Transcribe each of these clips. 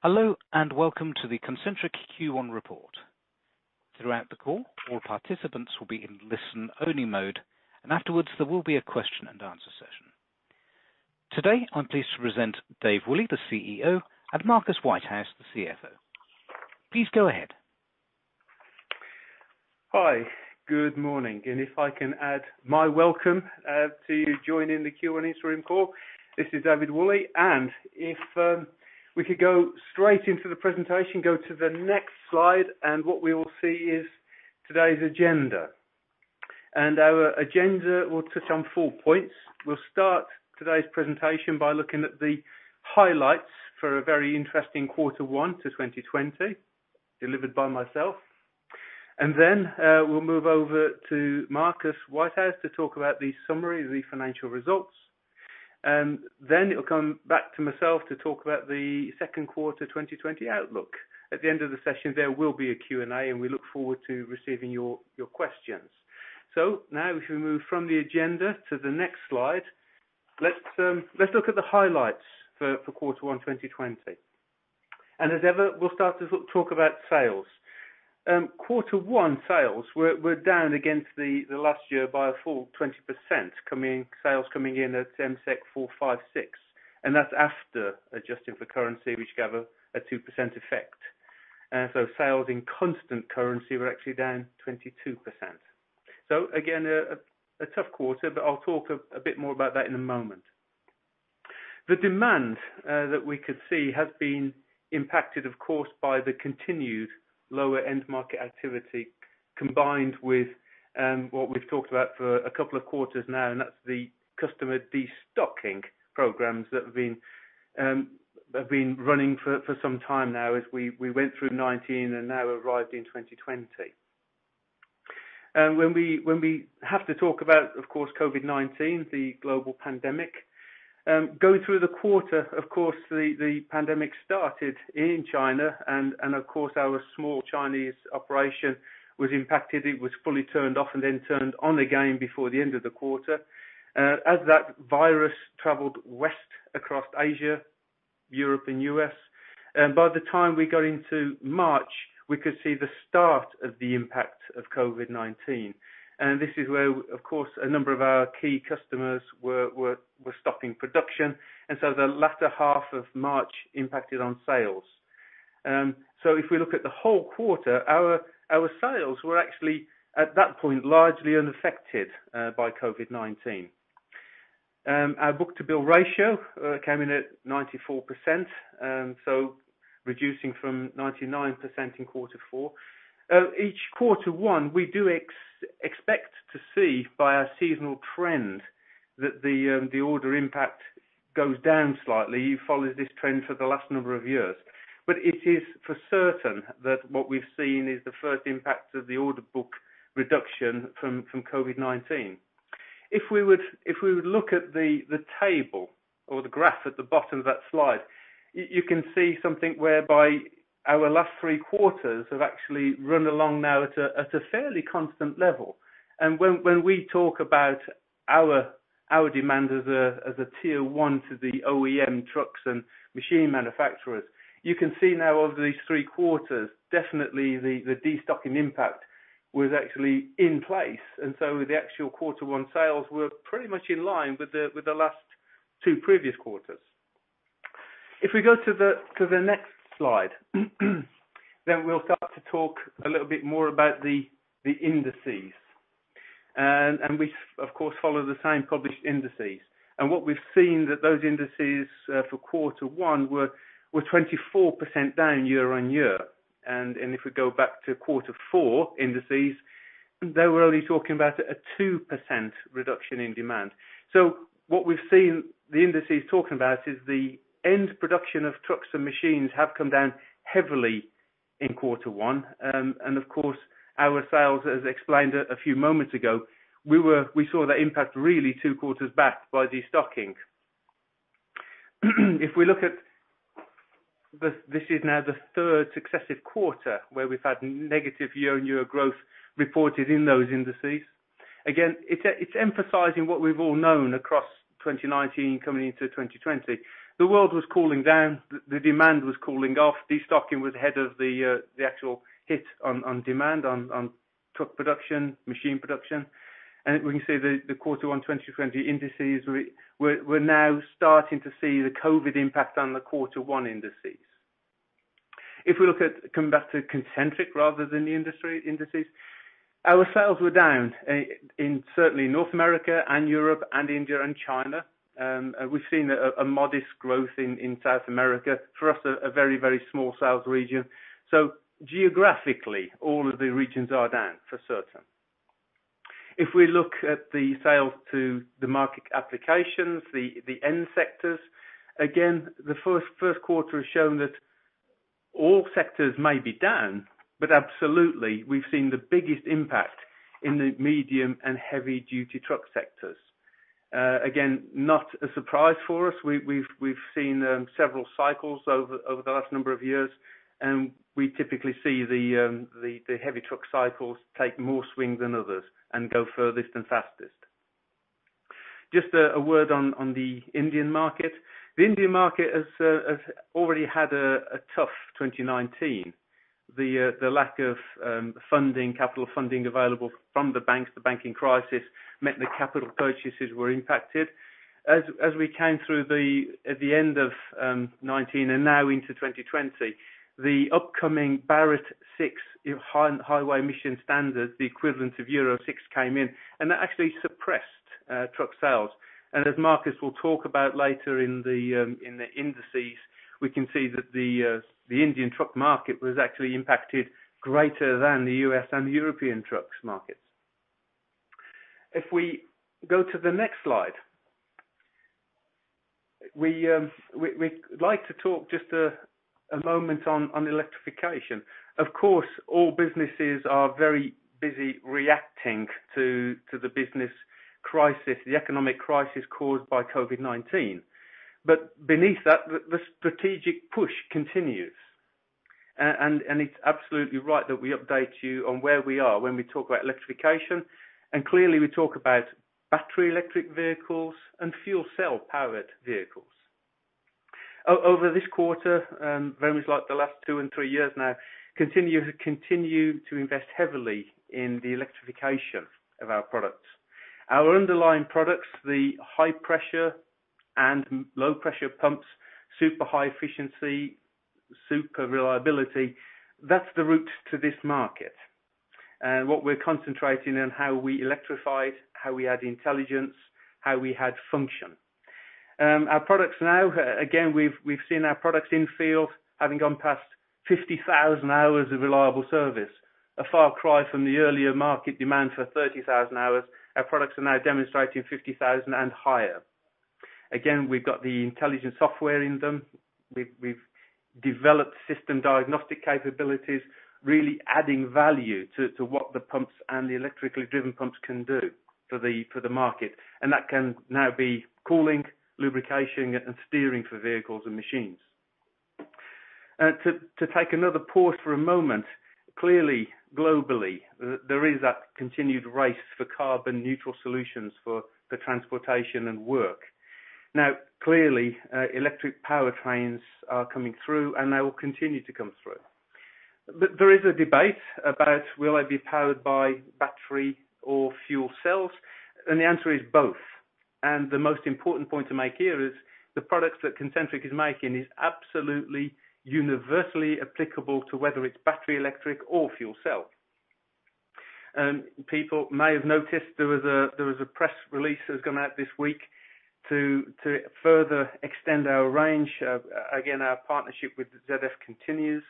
Hello, and welcome to the Concentric Q1 report. Throughout the call, all participants will be in listen-only mode, and afterwards, there will be a question and answer session. Today, I'm pleased to present Dave Woolley, the CEO, and Marcus Whitehouse, the CFO. Please go ahead. Hi. Good morning. If I can add my welcome to you joining the Q&A stream call. This is Dave Woolley. If we could go straight into the presentation, go to the next slide. What we will see is today's agenda. Our agenda will touch on four points. We'll start today's presentation by looking at the highlights for a very interesting quarter one to 2020, delivered by myself. We'll move over to Marcus Whitehouse to talk about the summary of the financial results. It'll come back to myself to talk about the second quarter 2020 outlook. At the end of the session, there will be a Q&A. We look forward to receiving your questions. Now if we move from the agenda to the next slide, let's look at the highlights for quarter one 2020. As ever, we'll start to talk about sales. Quarter one sales were down against the last year by a full 20%, sales coming in at MSEK 456, that's after adjusting for currency, which gave us a 2% effect. Sales in constant currency were actually down 22%. Again, a tough quarter, I'll talk a bit more about that in a moment. The demand that we could see has been impacted, of course, by the continued lower end market activity, combined with what we've talked about for a couple of quarters now, that's the customer destocking programs that have been running for some time now as we went through 2019 and now arrived in 2020. When we have to talk about, of course, COVID-19, the global pandemic. Going through the quarter, of course, the pandemic started in China and of course, our small Chinese operation was impacted. It was fully turned off and then turned on again before the end of the quarter. As that virus traveled west across Asia, Europe, and U.S., by the time we got into March, we could see the start of the impact of COVID-19. This is where, of course, a number of our key customers were stopping production, and so the latter half of March impacted on sales. If we look at the whole quarter, our sales were actually, at that point, largely unaffected by COVID-19. Our book-to-bill ratio came in at 94%, so reducing from 99% in quarter four. Each quarter one, we do expect to see by our seasonal trend that the order impact goes down slightly. It follows this trend for the last number of years. It is for certain that what we've seen is the first impact of the order book reduction from COVID-19. If we would look at the table or the graph at the bottom of that slide, you can see something whereby our last three quarters have actually run along now at a fairly constant level. When we talk about our demand as a tier one to the OEM trucks and machine manufacturers, you can see now over these three quarters, definitely the destocking impact was actually in place. The actual quarter one sales were pretty much in line with the last two previous quarters. If we go to the next slide, we'll start to talk a little bit more about the indices. We of course follow the same published indices. What we've seen that those indices for quarter one were 24% down year-on-year. If we go back to quarter four indices, they were only talking about a 2% reduction in demand. What we've seen the indices talking about is the end production of trucks and machines have come down heavily in quarter one. Of course, our sales, as explained a few moments ago, we saw that impact really two quarters back by destocking. This is now the third successive quarter where we've had negative year-on-year growth reported in those indices. Again, it's emphasizing what we've all known across 2019 coming into 2020. The world was cooling down. The demand was cooling off. Destocking was ahead of the actual hit on demand on truck production, machine production. We can see the quarter one 2020 indices, we're now starting to see the COVID impact on the quarter one indices. Come back to Concentric rather than the industry indices, our sales were down in certainly North America and Europe and India and China. We've seen a modest growth in South America. For us, a very, very small sales region. Geographically, all of the regions are down for certain. We look at the sales to the market applications, the end sectors, again, the first quarter has shown that all sectors may be down, but absolutely we've seen the biggest impact in the medium and heavy duty truck sectors. Again, not a surprise for us. We've seen several cycles over the last number of years, and we typically see the heavy truck cycles take more swing than others and go furthest and fastest. Just a word on the Indian market. The Indian market has already had a tough 2019. The lack of capital funding available from the banks, the banking crisis, meant the capital purchases were impacted. As we came through at the end of 2019 and now into 2020, the upcoming Bharat VI highway emission standard, the equivalent of Euro 6, came in, and that actually suppressed truck sales. As Marcus will talk about later in the indices, we can see that the Indian truck market was actually impacted greater than the U.S. and European trucks markets. If we go to the next slide. We'd like to talk just a moment on electrification. Of course, all businesses are very busy reacting to the business crisis, the economic crisis caused by COVID-19. Beneath that, the strategic push continues. It's absolutely right that we update you on where we are when we talk about electrification. Clearly, we talk about battery electric vehicles and fuel cell powered vehicles. Over this quarter, very much like the last two and three years now, continue to invest heavily in the electrification of our products. Our underlying products, the high pressure and low pressure pumps, super high efficiency, super reliability, that's the route to this market. What we are concentrating on how we electrify it, how we add intelligence, how we add function. Our products now, again, we've seen our products in field having gone past 50,000 hours of reliable service, a far cry from the earlier market demand for 30,000 hours. Our products are now demonstrating 50,000 and higher. We've got the intelligent software in them. We've developed system diagnostic capabilities, really adding value to what the pumps and the electrically driven pumps can do for the market. That can now be cooling, lubrication, and steering for vehicles and machines. To take another pause for a moment. Clearly, globally, there is that continued race for carbon neutral solutions for transportation and work. Clearly, electric powertrains are coming through, and they will continue to come through. There is a debate about will they be powered by battery or fuel cells, and the answer is both. The most important point to make here is the products that Concentric is making is absolutely universally applicable to whether it's battery, electric or fuel cell. People may have noticed there was a press release that has gone out this week to further extend our range. Again, our partnership with ZF continues.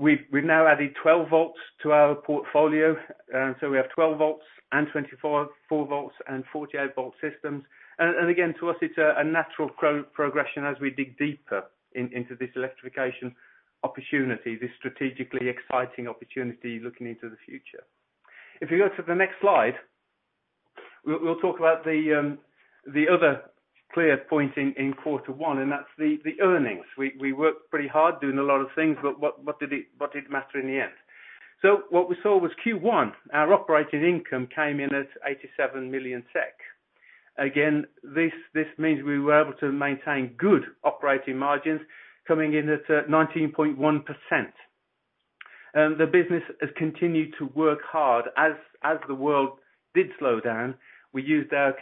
We've now added 12 volts to our portfolio. We have 12 volts and 24 volts and 48-volt systems. Again, to us it's a natural progression as we dig deeper into this electrification opportunity, this strategically exciting opportunity looking into the future. If you go to the next slide, we'll talk about the other clear point in quarter one, that's the earnings. We worked pretty hard doing a lot of things, but what did it matter in the end? What we saw was Q1, our operating income came in at 87 million SEK. Again, this means we were able to maintain good operating margins coming in at 19.1%. The business has continued to work hard as the world did slow down. We used our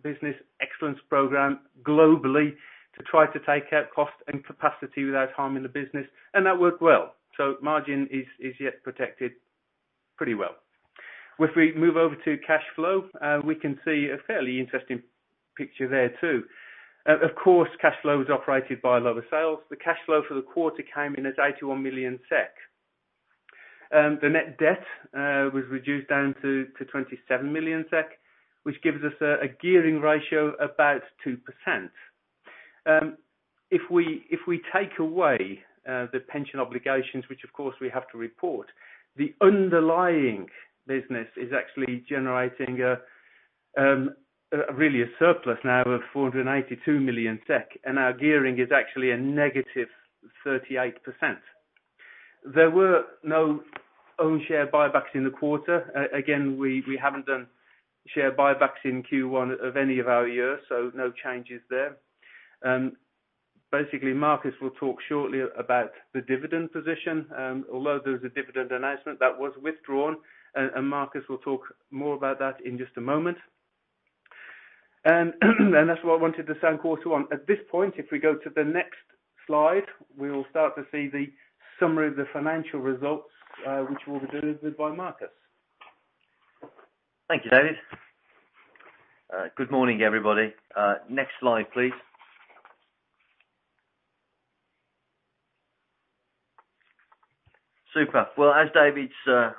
Concentric Business Excellence Program globally to try to take out cost and capacity without harming the business. That worked well. Margin is yet protected pretty well. If we move over to cash flow, we can see a fairly interesting picture there too. Of course, cash flow is operated by lower sales. The cash flow for the quarter came in as 81 million SEK. The net debt was reduced down to 27 million SEK, which gives us a gearing ratio about 2%. If we take away the pension obligations, which of course we have to report, the underlying business is actually generating really a surplus now of 482 million. Our gearing is actually a negative 38%. There were no own share buybacks in the quarter. Again, we haven't done share buybacks in Q1 of any of our years. No changes there. Basically, Marcus will talk shortly about the dividend position. Although there was a dividend announcement, that was withdrawn. Marcus will talk more about that in just a moment. That's what I wanted to say on quarter one. At this point, if we go to the next slide, we will start to see the summary of the financial results, which will be delivered by Marcus. Thank you, Dave. Good morning, everybody. Next slide, please. Super. Well, as David's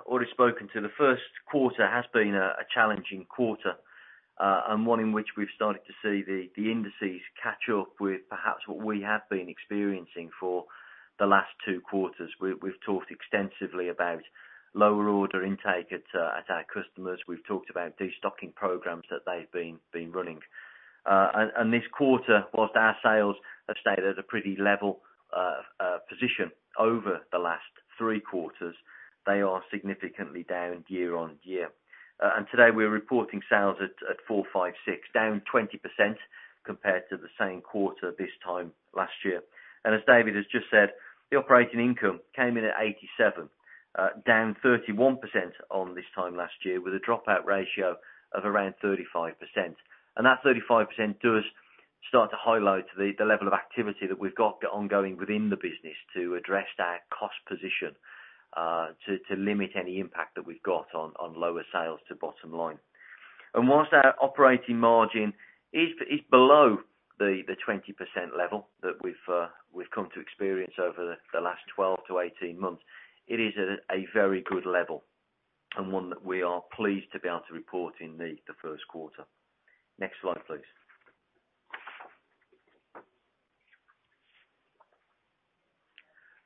already spoken to, the first quarter has been a challenging quarter, and one in which we've started to see the indices catch up with perhaps what we have been experiencing for the last two quarters. We've talked extensively about lower order intake at our customers. We've talked about destocking programs that they've been running. This quarter, whilst our sales have stayed at a pretty level position over the last three quarters, they are significantly down year-on-year. Today we are reporting sales at 456, down 20% compared to the same quarter this time last year. As David has just said, the operating income came in at 87, down 31% on this time last year with a dropout ratio of around 35%. That 35% does start to highlight the level of activity that we've got ongoing within the business to address our cost position, to limit any impact that we've got on lower sales to bottom line. Whilst our operating margin is below the 20% level that we've come to experience over the last 12-18 months, it is at a very good level and one that we are pleased to be able to report in the first quarter. Next slide, please.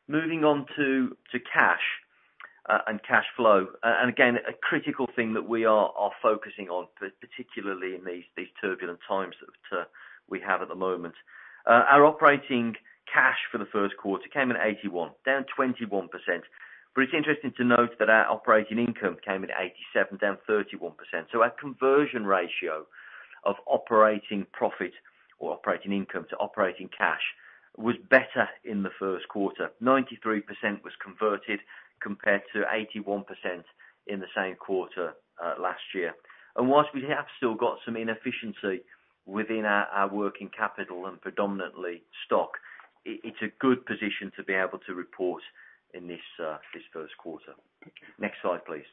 Moving on to cash and cash flow. Again, a critical thing that we are focusing on, particularly in these turbulent times that we have at the moment. Our operating cash for the first quarter came in at 81, down 21%. It's interesting to note that our operating income came in at 87, down 31%. Our conversion ratio of operating profit or operating income to operating cash was better in the first quarter. 93% was converted compared to 81% in the same quarter last year. Whilst we have still got some inefficiency within our working capital and predominantly stock, it's a good position to be able to report in this first quarter. Next slide, please.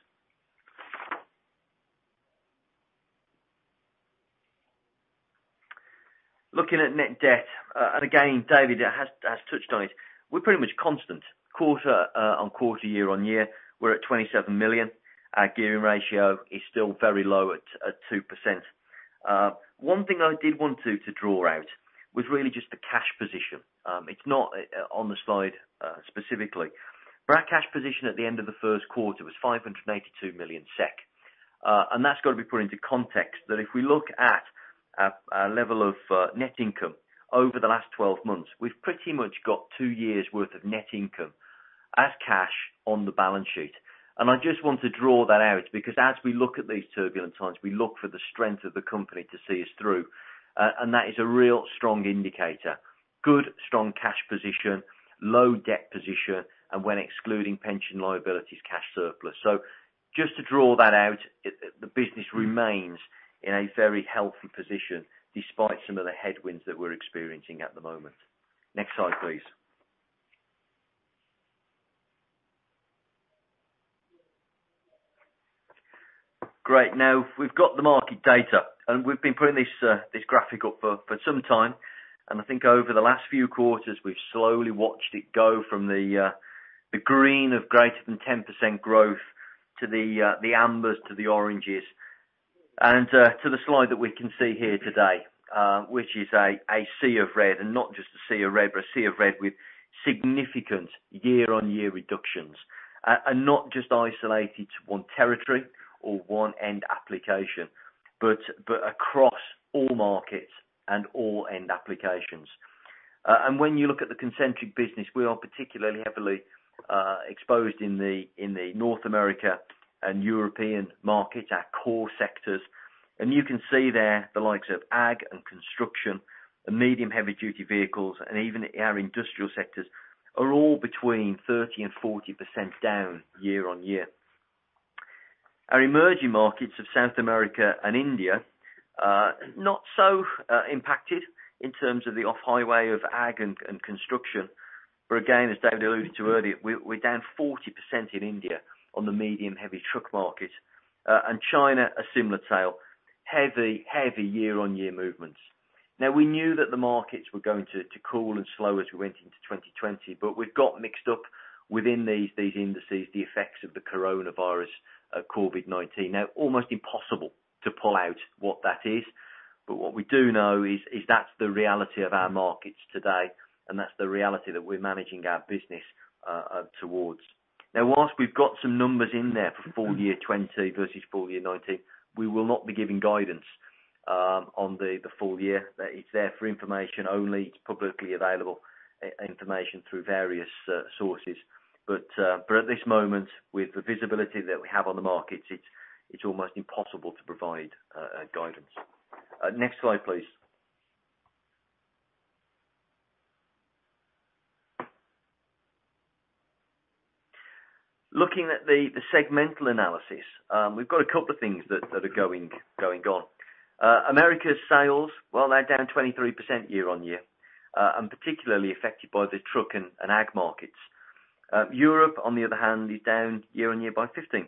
Looking at net debt, and again, David has touched on it, we're pretty much constant. Quarter-on-quarter, year-on-year, we're at 27 million. Our gearing ratio is still very low at 2%. One thing I did want to draw out was really just the cash position. It's not on the slide specifically, but our cash position at the end of the first quarter was 582 million SEK. That's got to be put into context that if we look at our level of net income over the last 12 months, we've pretty much got two years worth of net income as cash on the balance sheet. I just want to draw that out because as we look at these turbulent times, we look for the strength of the company to see us through. That is a real strong indicator. Good, strong cash position, low debt position, and when excluding pension liabilities, cash surplus. Just to draw that out, the business remains in a very healthy position despite some of the headwinds that we're experiencing at the moment. Next slide, please. Great. Now we've got the market data, and we've been putting this graphic up for some time, and I think over the last few quarters, we've slowly watched it go from the green of greater than 10% growth to the ambers, to the oranges, and to the slide that we can see here today, which is a sea of red, and not just a sea of red, but a sea of red with significant year-on-year reductions. Not just isolated to one territory or one end application, but across all markets and all end applications. When you look at the Concentric business, we are particularly heavily exposed in the North America and European markets, our core sectors. You can see there the likes of ag and construction and medium heavy-duty vehicles, and even our industrial sectors are all between 30% and 40% down year-on-year. Our emerging markets of South America and India, not so impacted in terms of the off highway of ag and construction. Again, as Dave alluded to earlier, we're down 40% in India on the medium heavy truck market. China, a similar tale. Heavy year-over-year movements. We knew that the markets were going to cool and slow as we went into 2020, but we've got mixed up within these indices the effects of the coronavirus COVID-19. Almost impossible to pull out what that is, but what we do know is that's the reality of our markets today, and that's the reality that we are managing our business towards. Whilst we've got some numbers in there for full year 2020 versus full year 2019, we will not be giving guidance on the full year. It's there for information only, it's publicly available information through various sources. At this moment, with the visibility that we have on the markets, it's almost impossible to provide guidance. Next slide, please. Looking at the segmental analysis, we've got a couple of things that are going on. Americas sales, well, they're down 23% year-on-year, and particularly affected by the truck and ag markets. Europe, on the other hand, is down year-on-year by 15%.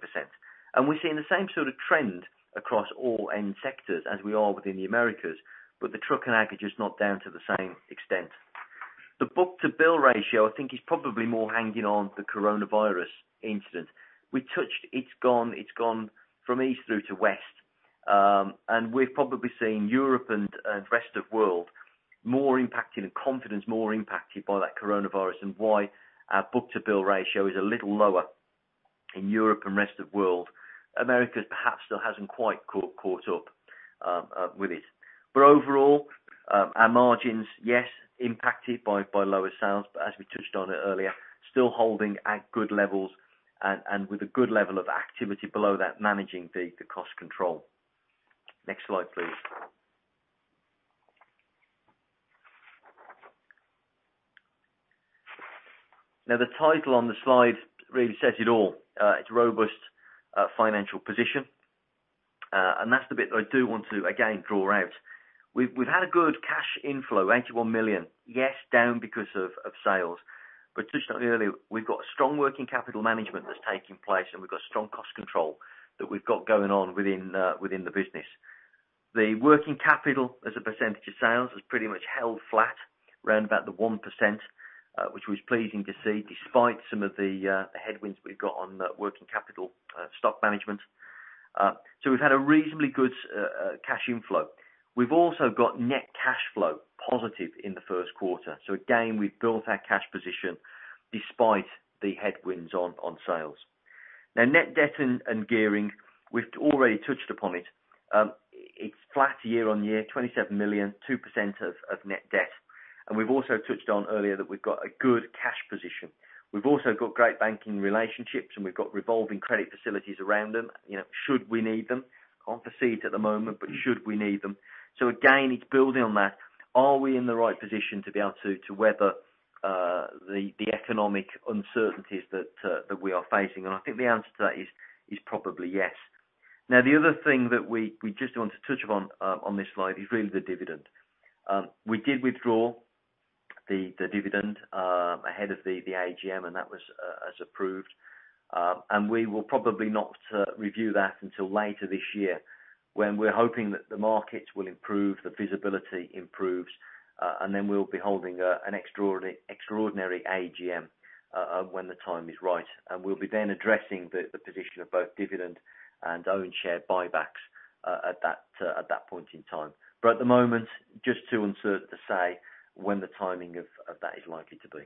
We're seeing the same sort of trend across all end sectors as we are within the Americas, but the truck and ag is not down to the same extent. The book-to-bill ratio I think is probably more hanging on the coronavirus incident. It's gone from east through to west. We are probably seeing Europe and rest of world more impacted, confidence more impacted by that coronavirus and why our book-to-bill ratio is a little lower. In Europe and rest of world, America perhaps still hasn't quite caught up with it. Overall, our margins, yes, impacted by lower sales, as we touched on it earlier, still holding at good levels and with a good level of activity below that, managing the cost control. Next slide, please. The title on the slide really says it all. It's robust financial position. That's the bit that I do want to, again, draw out. We've had a good cash inflow, 81 million. Yes, down because of sales. Touched on it earlier, we've got strong working capital management that's taking place, and we've got strong cost control that we've got going on within the business. The working capital as a percentage of sales has pretty much held flat around about the 1%, which was pleasing to see, despite some of the headwinds we've got on working capital stock management. We've had a reasonably good cash inflow. We've also got net cash flow positive in the first quarter. Again, we've built our cash position despite the headwinds on sales. Net debt and gearing, we've already touched upon it. It's flat year-on-year, 27 million, 2% of net debt. We've also touched on earlier that we've got a good cash position. We've also got great banking relationships, and we've got revolving credit facilities around them should we need them. Can't foresee it at the moment, should we need them. Again, it's building on that. Are we in the right position to be able to weather the economic uncertainties that we are facing? I think the answer to that is probably yes. Now, the other thing that we just want to touch upon on this slide is really the dividend. We did withdraw the dividend ahead of the AGM, and that was as approved. We will probably not review that until later this year when we're hoping that the markets will improve, the visibility improves, and then we'll be holding an extraordinary AGM when the time is right. We'll be then addressing the position of both dividend and own share buybacks at that point in time. At the moment, just too uncertain to say when the timing of that is likely to be.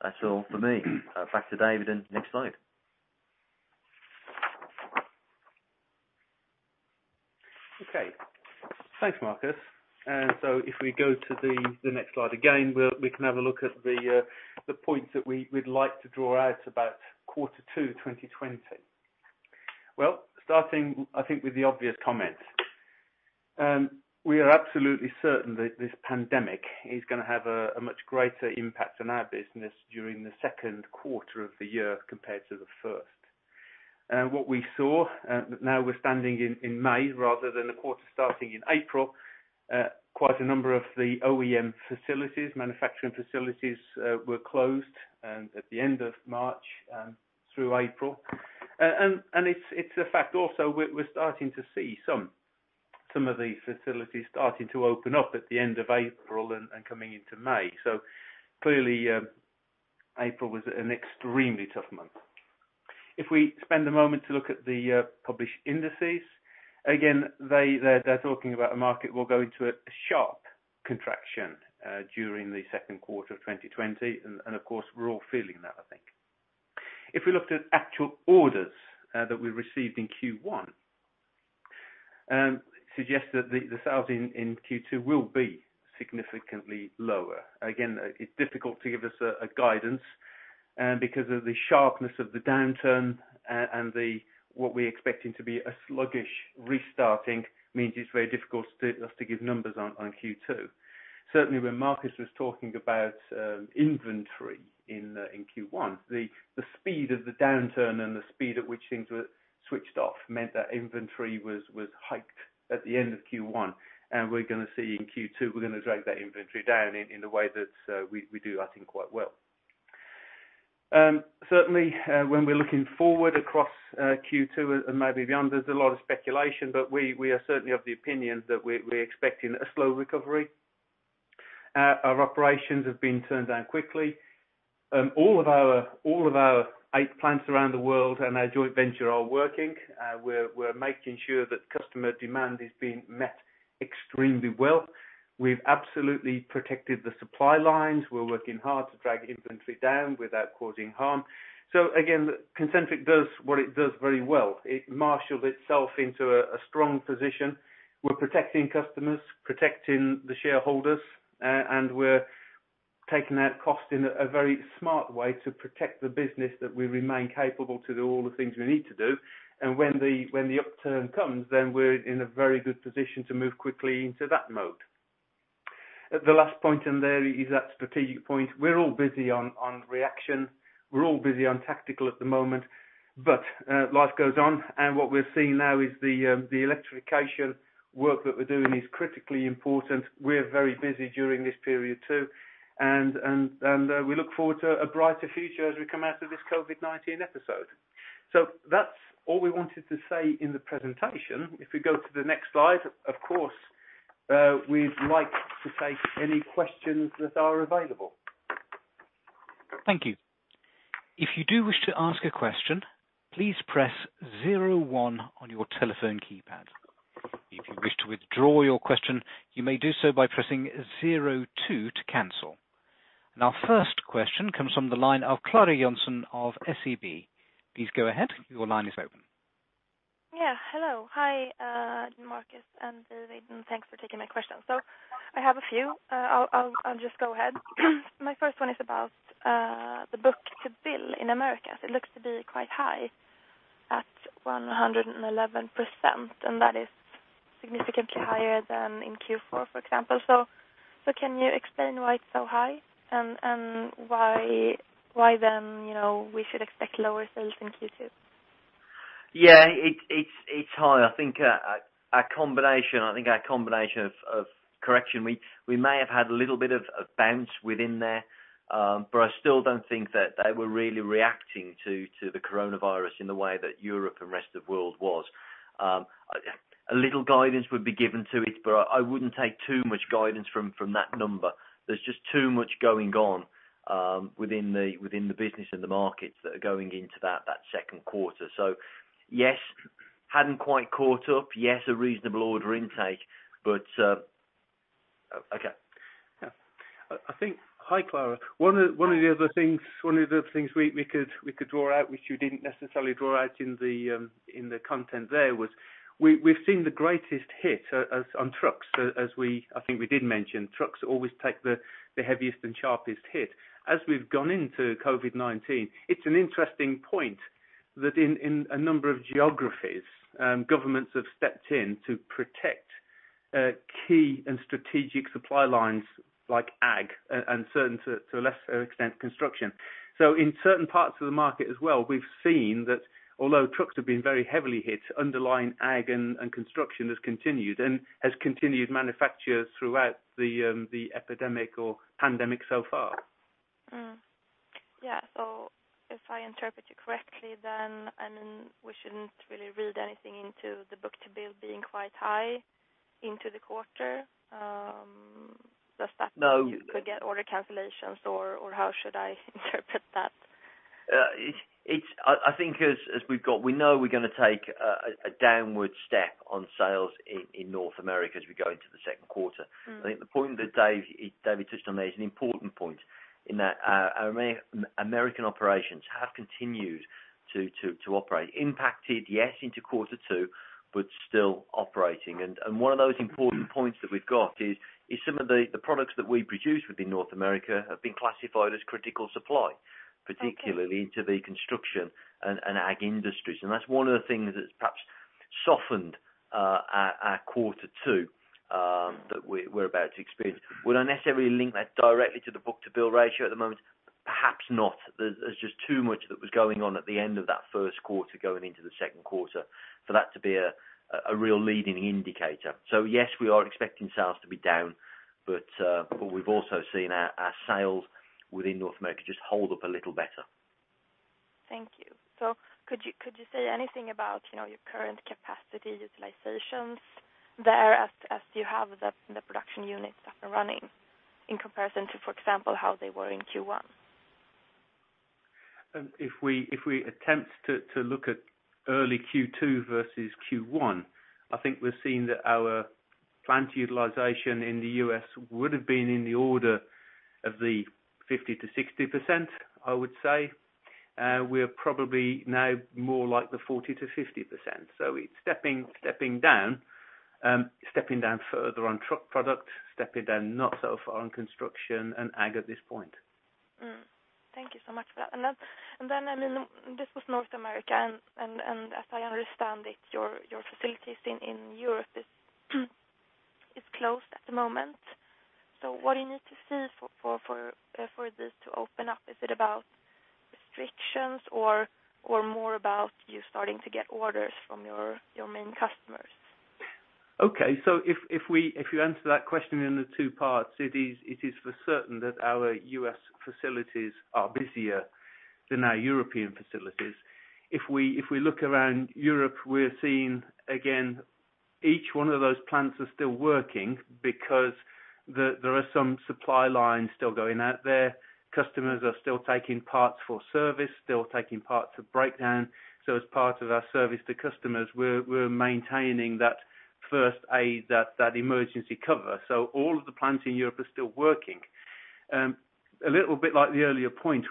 That's all for me. Back to David, and next slide. Okay. Thanks, Marcus. If we go to the next slide again, we can have a look at the points that we'd like to draw out about quarter 2 2020. Well, starting, I think with the obvious comment. We are absolutely certain that this pandemic is going to have a much greater impact on our business during the second quarter of the year compared to the first. What we saw, now we're standing in May rather than the quarter starting in April, quite a number of the OEM facilities, manufacturing facilities were closed at the end of March through April. It's a fact also, we're starting to see some of these facilities starting to open up at the end of April and coming into May. Clearly, April was an extremely tough month. If we spend a moment to look at the published indices, again, they're talking about the market will go into a sharp contraction during the second quarter of 2020. Of course, we're all feeling that, I think. If we looked at actual orders that we received in Q1, suggest that the sales in Q2 will be significantly lower. Again, it's difficult to give us a guidance because of the sharpness of the downturn and what we're expecting to be a sluggish restarting means it's very difficult for us to give numbers on Q2. Certainly when Marcus was talking about inventory in Q1, the speed of the downturn and the speed at which things were switched off meant that inventory was hiked at the end of Q1. We're going to see in Q2, we're going to drag that inventory down in a way that we do, I think, quite well. Certainly, when we're looking forward across Q2 and maybe beyond, there's a lot of speculation, but we are certainly of the opinion that we're expecting a slow recovery. Our operations have been turned down quickly. All of our eight plants around the world and our joint venture are working. We're making sure that customer demand is being met extremely well. We've absolutely protected the supply lines. We're working hard to drag inventory down without causing harm. Again, Concentric does what it does very well. It marshaled itself into a strong position. We're protecting customers, protecting the shareholders, and we're taking out cost in a very smart way to protect the business that we remain capable to do all the things we need to do. When the upturn comes, then we're in a very good position to move quickly into that mode. The last point in there is that strategic point. We're all busy on reaction. We're all busy on tactical at the moment, but life goes on. What we're seeing now is the electrification work that we're doing is critically important. We're very busy during this period, too. We look forward to a brighter future as we come out of this COVID-19 episode. That's all we wanted to say in the presentation. If we go to the next slide, of course, we'd like to take any questions that are available. Thank you. If you do wish to ask a question, please press zero one on your telephone keypad. If you wish to withdraw your question, you may do so by pressing zero two to cancel. Our first question comes from the line of Clara Johnson of SEB. Please go ahead. Your line is open. Hello. Hi, Marcus and Dave, thanks for taking my question. I have a few. I'll just go ahead. My first one is about the book-to-bill in the U.S. It looks to be quite high at 111%, that is significantly higher than in Q4, for example. Can you explain why it's so high and why then we should expect lower sales in Q2? Yeah. It's high. I think a combination of correction. We may have had a little bit of a bounce within there, but I still don't think that they were really reacting to the coronavirus in the way that Europe and rest of world was. A little guidance would be given to it, but I wouldn't take too much guidance from that number. There's just too much going on within the business and the markets that are going into that second quarter. Yes, hadn't quite caught up. Yes, a reasonable order intake, but okay. I think Hi, Clara. One of the other things we could draw out, which you didn't necessarily draw out in the content there was, we've seen the greatest hit on trucks as I think we did mention. Trucks always take the heaviest and sharpest hit. As we've gone into COVID-19, it's an interesting point that in a number of geographies, governments have stepped in to protect key and strategic supply lines like ag and certain, to a lesser extent, construction. In certain parts of the market as well, we've seen that although trucks have been very heavily hit, underlying ag and construction has continued and has continued manufacturers throughout the epidemic or pandemic so far. Yeah. If I interpret you correctly then, we shouldn't really read anything into the book-to-bill being quite high into the quarter. Does that. No mean you could get order cancellations or how should I interpret that? We know we're going to take a downward step on sales in North America as we go into the second quarter. I think the point that Dave touched on there is an important point, in that our American operations have continued to operate. Impacted, yes, into quarter two, but still operating. One of those important points that we've got is some of the products that we produce within North America have been classified as critical supply. Okay particularly to the construction and ag industries. That's one of the things that's perhaps softened our quarter two that we're about to experience. Would I necessarily link that directly to the book-to-bill ratio at the moment? Perhaps not. There's just too much that was going on at the end of that first quarter going into the second quarter for that to be a real leading indicator. Yes, we are expecting sales to be down. We've also seen our sales within North America just hold up a little better. Thank you. Could you say anything about your current capacity utilizations there as you have the production units that are running in comparison to, for example, how they were in Q1? If we attempt to look at early Q2 versus Q1, I think we're seeing that our plant utilization in the U.S. would have been in the order of the 50%-60%, I would say. We are probably now more like the 40%-50%. It's stepping down further on truck product, stepping down not so far on construction and ag at this point. Thank you so much for that. This was North America and as I understand it, your facilities in Europe is closed at the moment. What do you need to see for this to open up? Is it about restrictions or more about you starting to get orders from your main customers? If you answer that question in the two parts, it is for certain that our U.S. facilities are busier than our European facilities. If we look around Europe, we're seeing, again, each one of those plants are still working because there are some supply lines still going out there. Customers are still taking parts for service, still taking parts for breakdown. As part of our service to customers, we're maintaining that first aid, that emergency cover. All of the plants in Europe are still working. A little bit like the earlier point,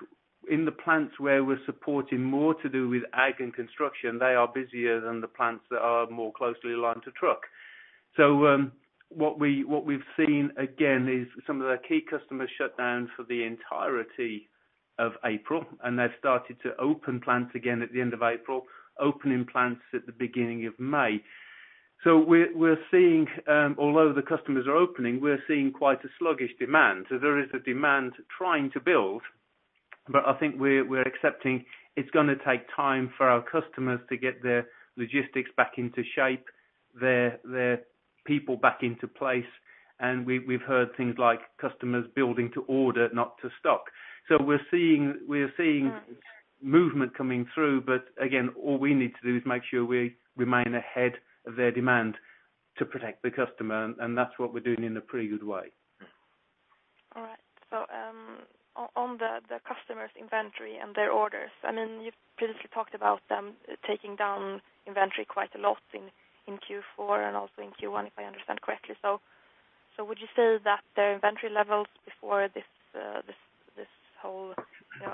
in the plants where we're supporting more to do with ag and construction, they are busier than the plants that are more closely aligned to truck. What we've seen again is some of their key customers shut down for the entirety of April, and they've started to open plants again at the end of April, opening plants at the beginning of May. We're seeing, although the customers are opening, we're seeing quite a sluggish demand. There is a demand trying to build, but I think we're accepting it's going to take time for our customers to get their logistics back into shape, their people back into place, and we've heard things like customers building to order, not to stock. We're seeing movement coming through. Again, all we need to do is make sure we remain ahead of their demand to protect the customer, and that's what we're doing in a pretty good way. On the customer's inventory and their orders, you've previously talked about them taking down inventory quite a lot in Q4 and also in Q1, if I understand correctly. Would you say that their inventory levels before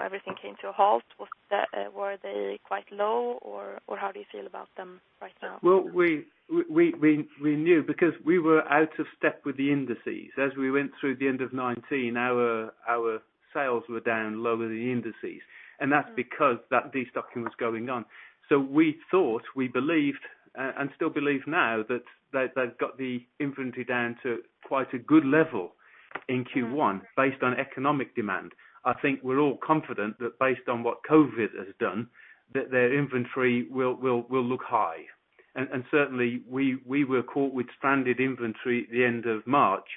everything came to a halt, were they quite low, or how do you feel about them right now? Well, we knew because we were out of step with the indices. As we went through the end of 2019, our sales were down lower than the indices, and that's because that de-stocking was going on. We thought, we believed, and still believe now that they've got the inventory down to quite a good level in Q1 based on economic demand. I think we're all confident that based on what COVID has done, that their inventory will look high. Certainly, we were caught with stranded inventory at the end of March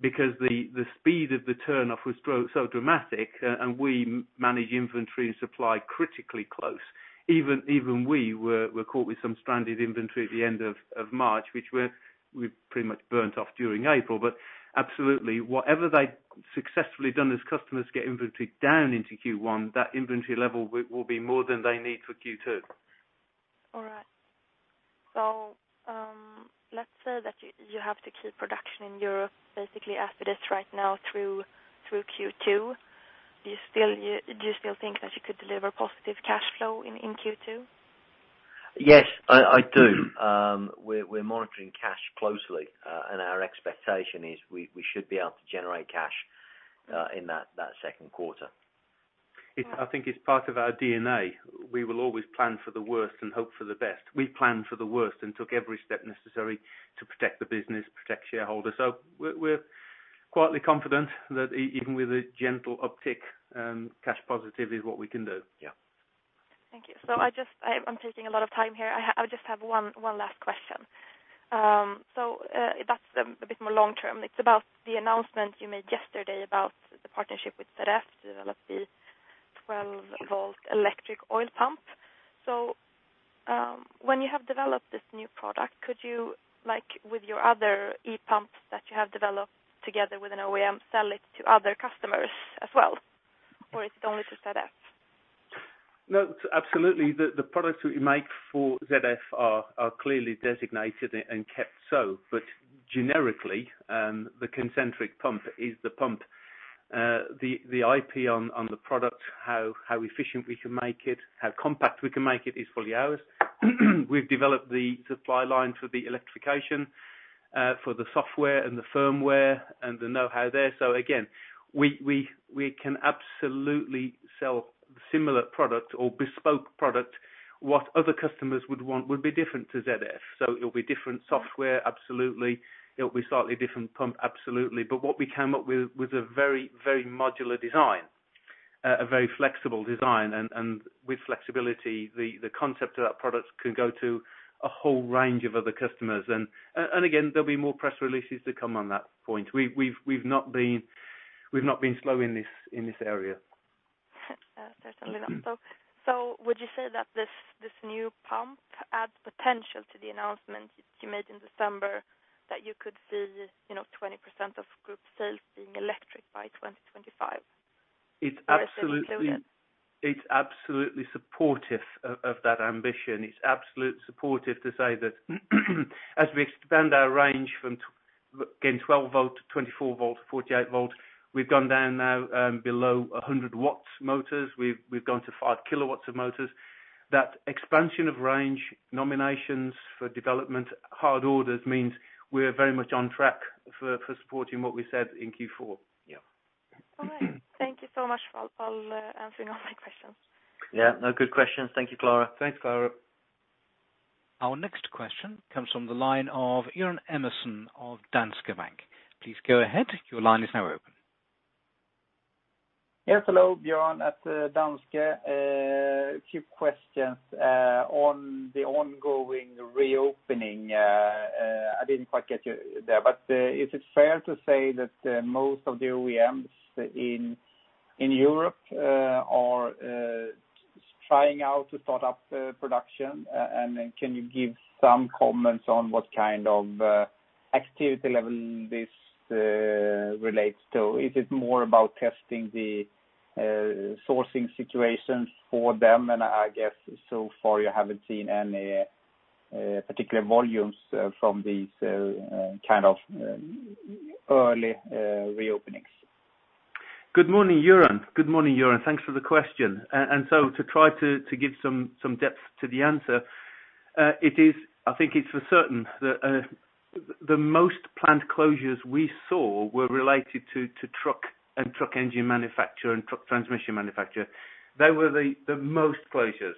because the speed of the turnoff was so dramatic, and we manage inventory and supply critically close. Even we were caught with some stranded inventory at the end of March, which we pretty much burnt off during April. Absolutely, whatever they've successfully done as customers get inventory down into Q1, that inventory level will be more than they need for Q2. All right. Let's say that you have to keep production in Europe basically as it is right now through Q2. Do you still think that you could deliver positive cash flow in Q2? Yes, I do. We're monitoring cash closely. Our expectation is we should be able to generate cash in that second quarter. I think it's part of our DNA. We will always plan for the worst and hope for the best. We planned for the worst and took every step necessary to protect the business, protect shareholders. We're quietly confident that even with a gentle uptick, cash positive is what we can do. Yeah. Thank you. I'm taking a lot of time here. I just have one last question. That's a bit more long-term. It's about the announcement you made yesterday about the partnership with ZF to develop the 12-volt electric oil pump. When you have developed this new product, could you, like with your other ePump that you have developed together with an OEM, sell it to other customers as well? Or is it only to ZF? No, absolutely. The products that we make for ZF are clearly designated and kept so. Generically, the Concentric pump is the pump. The IP on the product, how efficient we can make it, how compact we can make it is fully ours. We've developed the supply line for the electrification, for the software and the firmware and the know-how there. Again, we can absolutely sell similar product or bespoke product. What other customers would want would be different to ZF. It'll be different software, absolutely. It'll be slightly different pump, absolutely. What we came up with was a very modular design, a very flexible design, and with flexibility, the concept of that product can go to a whole range of other customers. Again, there'll be more press releases to come on that point. We've not been slow in this area. Certainly not. Would you say that this new pump adds potential to the announcement you made in December that you could see 20% of group sales being electric by 2025? It's absolutely supportive of that ambition. It's absolutely supportive to say that as we expand our range from, again, 12 volt to 24 volt to 48 volt, we've gone down now below 100 watts motors. We've gone to five kilowatts of motors. That expansion of range, nominations for development, hard orders means we are very much on track for supporting what we said in Q4. Yeah. All right. Thank you so much for answering all my questions. Yeah. No, good questions. Thank you, Clara. Thanks, Clara. Our next question comes from the line of Goran Emerson of Danske Bank. Please go ahead. Your line is now open. Yes. Hello, Goran at Danske. A few questions on the ongoing reopening. I didn't quite get you there, but is it fair to say that most of the OEMs in Europe are trying out to start up production? Can you give some comments on what kind of activity level this relates to? Is it more about testing the sourcing situations for them? I guess so far you haven't seen any particular volumes from these kind of early reopenings. Good morning, Goran. Thanks for the question. To try to give some depth to the answer, I think it's for certain that the most plant closures we saw were related to truck and truck engine manufacturer and truck transmission manufacturer. They were the most closures.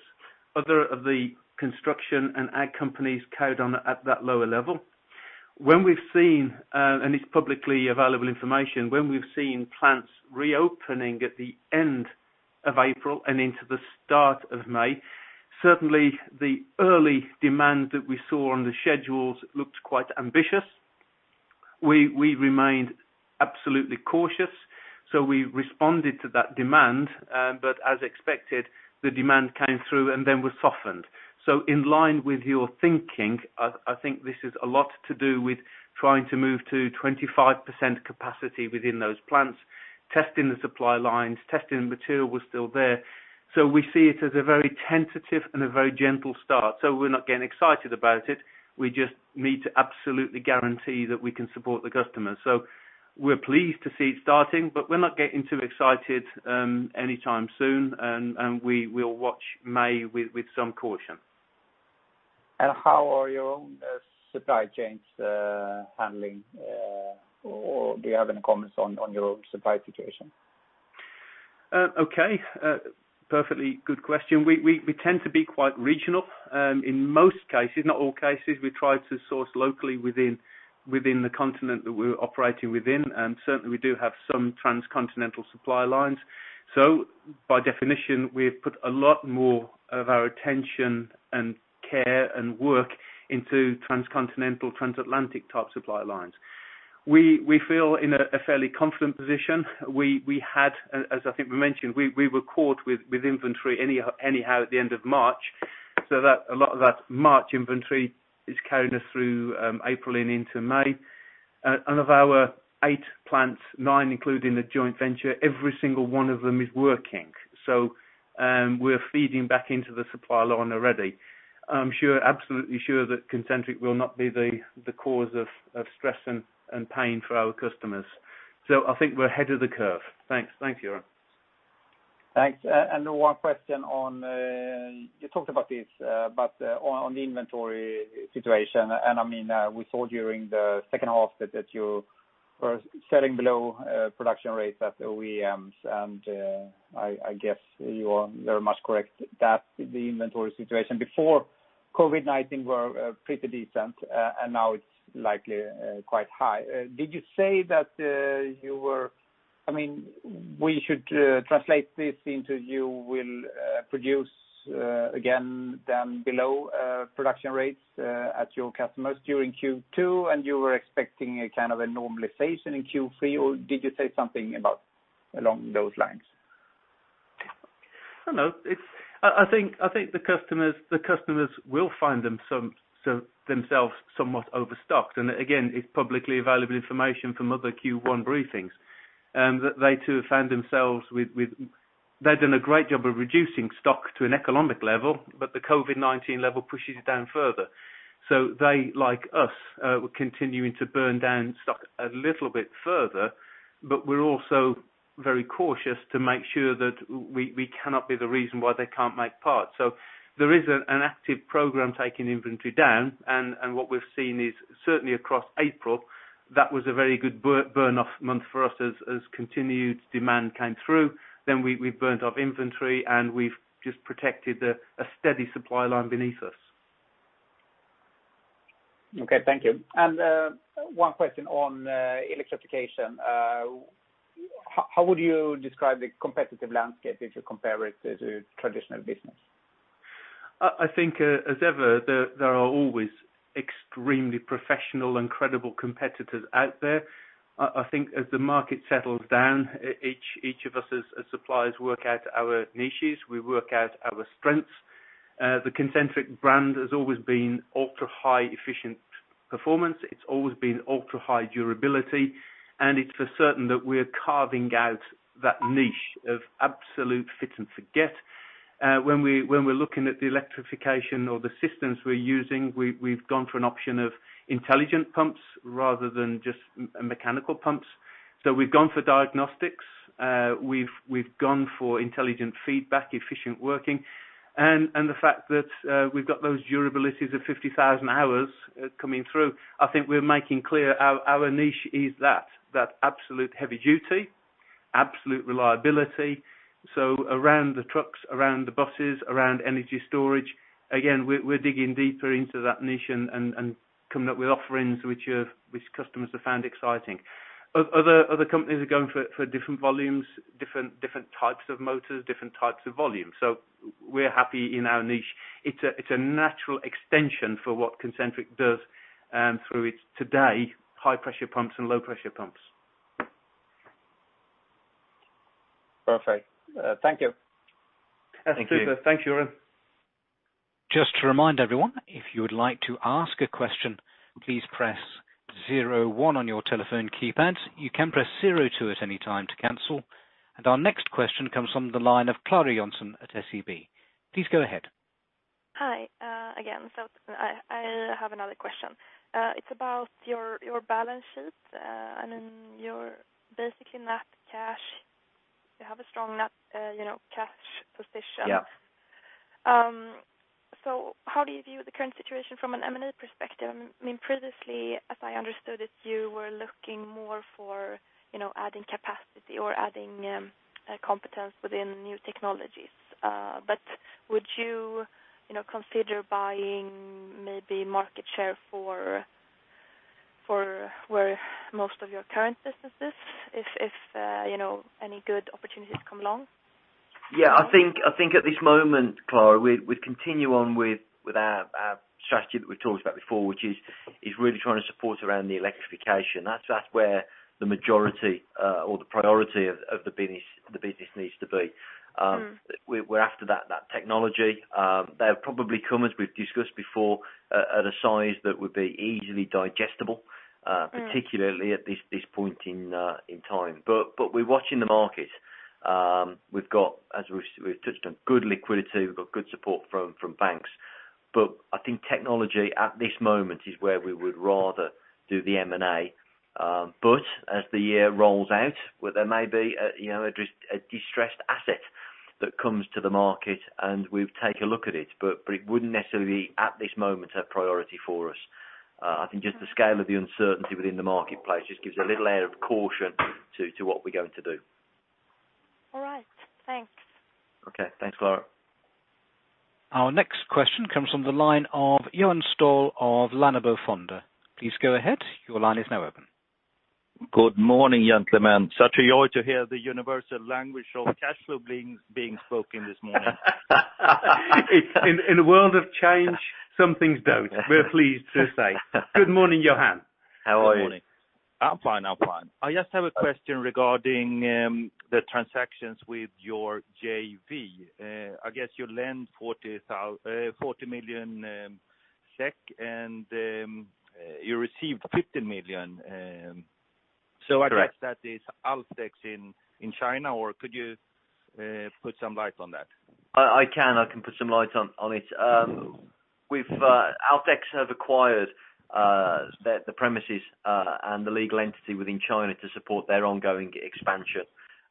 Other of the construction and ag companies carried on at that lower level. It's publicly available information. When we've seen plants reopening at the end of April and into the start of May, certainly the early demand that we saw on the schedules looked quite ambitious. We remained absolutely cautious, so we responded to that demand. As expected, the demand came through and then was softened. In line with your thinking, I think this is a lot to do with trying to move to 25% capacity within those plants. Testing the supply lines, testing the material was still there. We see it as a very tentative and a very gentle start. We're not getting excited about it. We just need to absolutely guarantee that we can support the customer. We're pleased to see it starting, but we're not getting too excited anytime soon. We will watch May with some caution. How are your own supply chains handling, or do you have any comments on your own supply situation? Okay. Perfectly good question. We tend to be quite regional, in most cases, not all cases. We try to source locally within the continent that we're operating within. Certainly we do have some transcontinental supply lines. By definition, we've put a lot more of our attention and care and work into transcontinental, transatlantic type supply lines. We feel in a fairly confident position. As I think we mentioned, we were caught with inventory anyhow at the end of March, so a lot of that March inventory is carrying us through April and into May. Of our eight plants, nine including the joint venture, every single one of them is working. We're feeding back into the supply line already. I'm absolutely sure that Concentric will not be the cause of stress and pain for our customers. I think we're ahead of the curve. Thanks, Johan. Thanks. One question on, you talked about this, but on the inventory situation, and I mean, we saw during the second half that you were selling below production rates at OEMs, and I guess you are very much correct that the inventory situation before COVID-19 were pretty decent, and now it's likely quite high. Did you say that we should translate this into you will produce again then below production rates at your customers during Q2, and you were expecting a kind of a normalization in Q3, or did you say something about along those lines? I don't know. I think the customers will find themselves somewhat overstocked, and again, it's publicly available information from other Q1 briefings, that they too have found themselves with. They've done a great job of reducing stock to an economic level, but the COVID-19 level pushes it down further. They, like us, are continuing to burn down stock a little bit further, but we're also very cautious to make sure that we cannot be the reason why they can't make parts. There is an active program taking inventory down, and what we've seen is certainly across April, that was a very good burn-off month for us as continued demand came through. We burnt off inventory, and we've just protected a steady supply line beneath us. Okay, thank you. One question on electrification. How would you describe the competitive landscape if you compare it to traditional business? I think as ever, there are always extremely professional and credible competitors out there. I think as the market settles down, each of us as suppliers work out our niches. We work out our strengths. The Concentric brand has always been ultra high efficient performance. It's always been ultra high durability, and it's for certain that we're carving out that niche of absolute fit and forget. When we're looking at the electrification or the systems we're using, we've gone for an option of intelligent pumps rather than just mechanical pumps. We've gone for diagnostics. We've gone for intelligent feedback, efficient working, and the fact that we've got those durabilities of 50,000 hours coming through. I think we're making clear our niche is that absolute heavy duty, absolute reliability. Around the trucks, around the buses, around energy storage, again, we're digging deeper into that niche and coming up with offerings which customers have found exciting. Other companies are going for different volumes, different types of motors, different types of volumes. We're happy in our niche. It's a natural extension for what Concentric does through its today high pressure pumps and low pressure pumps. Perfect. Thank you. That's super. Thanks, Johan. Just to remind everyone, if you would like to ask a question, please press zero one on your telephone keypad. You can press zero two at any time to cancel. Our next question comes from the line of Clara Johnson at SEB. Please go ahead. Hi. Again, I have another question. It's about your balance sheet, and your basically net cash. You have a strong net cash position. Yeah. How do you view the current situation from an M&A perspective? I mean, previously, as I understood it, you were looking more for adding capacity or adding competence within new technologies. Would you consider buying maybe market share for where most of your current business is if any good opportunities come along? Yeah, I think at this moment, Clara, we'd continue on with our strategy that we talked about before, which is really trying to support around the electrification. That's where the majority or the priority of the business needs to be. We're after that technology. They'll probably come, as we've discussed before, at a size that would be easily digestible. particularly at this point in time. We're watching the market. We've got, as we've touched on, good liquidity. We've got good support from banks. I think technology at this moment is where we would rather do the M&A. As the year rolls out, where there may be a distressed asset that comes to the market, and we'll take a look at it, but it wouldn't necessarily, at this moment, a priority for us. I think just the scale of the uncertainty within the marketplace just gives a little air of caution to what we're going to do. All right. Thanks. Okay. Thanks, Clara. Our next question comes from the line of Johan Ståhl of Lannebo Fonder. Please go ahead. Your line is now open. Good morning, gentlemen. Such a joy to hear the universal language of cash flow being spoken this morning. In a world of change, some things don't, we're pleased to say. Good morning, Johan. How are you? Good morning. I'm fine. I just have a question regarding the transactions with your JV. I guess you lend 40 million SEK and you received 15 million. Correct. I guess that is Alfdex in China, or could you put some light on that? I can put some light on it. Alfdex have acquired the premises and the legal entity within China to support their ongoing expansion.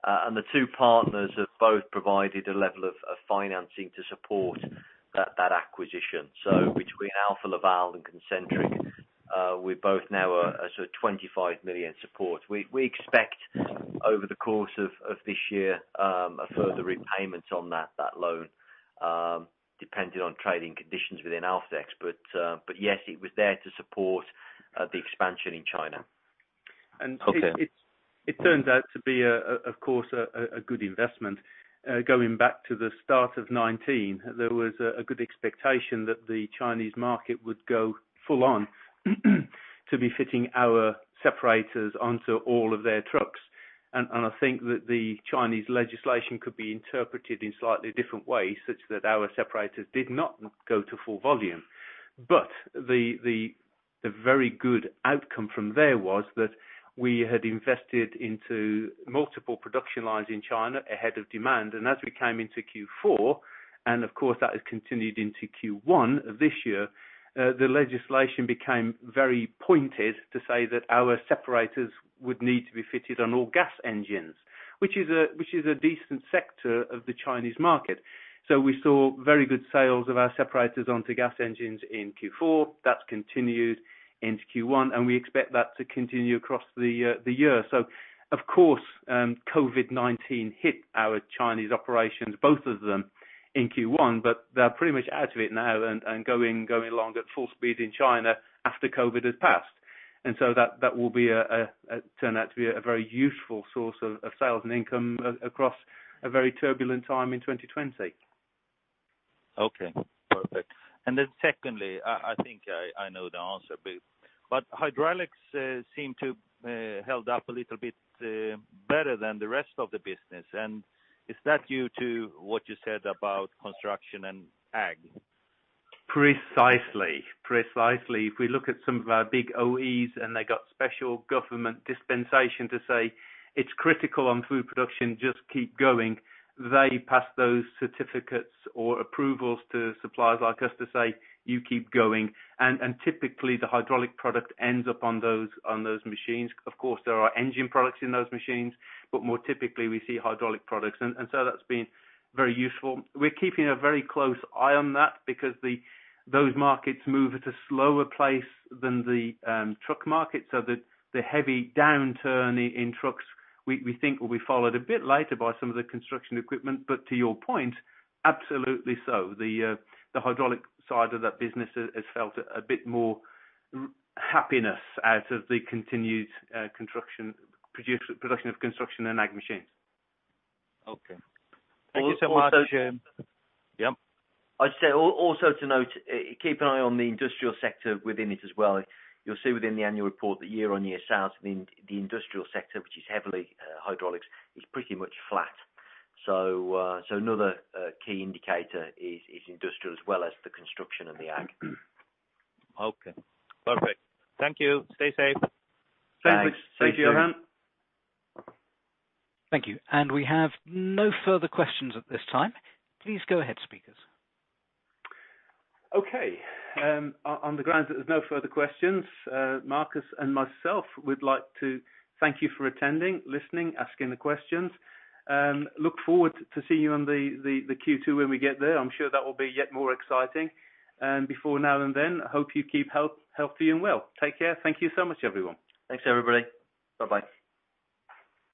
The two partners have both provided a level of financing to support that acquisition. Between Alfa Laval and Concentric, we both now are a 25 million support. We expect over the course of this year, a further repayment on that loan, depending on trading conditions within Alfdex. Yes, it was there to support the expansion in China. Okay. It turns out to be, of course, a good investment. Going back to the start of 2019, there was a good expectation that the Chinese market would go full on to be fitting our separators onto all of their trucks. I think that the Chinese legislation could be interpreted in slightly different ways, such that our separators did not go to full volume. The very good outcome from there was that we had invested into multiple production lines in China ahead of demand. As we came into Q4, and of course that has continued into Q1 of this year, the legislation became very pointed to say that our separators would need to be fitted on all gas engines. Which is a decent sector of the Chinese market. We saw very good sales of our separators onto gas engines in Q4. That's continued into Q1, and we expect that to continue across the year. Of course, COVID-19 hit our Chinese operations, both of them in Q1, but they are pretty much out of it now and going along at full speed in China after COVID has passed. That will turn out to be a very useful source of sales and income across a very turbulent time in 2020. Okay, perfect. Secondly, I think I know the answer, but hydraulics seem to held up a little bit better than the rest of the business. Is that due to what you said about construction and ag? Precisely. If we look at some of our big OEMs and they got special government dispensation to say it's critical on food production, just keep going, they pass those certificates or approvals to suppliers like us to say, "You keep going." Typically the hydraulic product ends up on those machines. Of course, there are engine products in those machines, but more typically we see hydraulic products, and so that's been very useful. We're keeping a very close eye on that because those markets move at a slower place than the truck market, so that the heavy downturn in trucks we think will be followed a bit later by some of the construction equipment. To your point, absolutely so. The hydraulic side of that business has felt a bit more happiness out of the continued production of construction and ag machines. Okay. Thank you so much. Also- Yep. I'd say also to note, keep an eye on the industrial sector within it as well. You'll see within the annual report that year-on-year sales in the industrial sector, which is heavily hydraulics, is pretty much flat. Another key indicator is industrial as well as the construction and the ag. Okay. Perfect. Thank you. Stay safe. Thanks. Thanks. Stay safe. Stay safe, Johan. Thank you. We have no further questions at this time. Please go ahead, speakers. Okay. On the grounds that there's no further questions, Marcus and myself would like to thank you for attending, listening, asking the questions. Look forward to see you on the Q2 when we get there. I'm sure that will be yet more exciting. Before now and then, hope you keep healthy and well. Take care. Thank you so much, everyone. Thanks, everybody. Bye-bye.